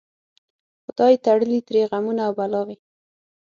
خدای تړلي ترې غمونه او بلاوي